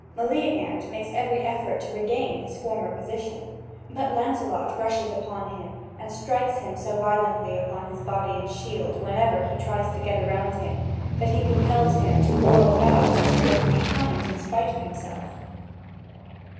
Meleagant makes every effort to regain his former position. But Lancelot rushes upon him, and strikes him so violently upon his body and shield whenever he tries to get around him, that he compels him to whirl about two or three times in spite of himself.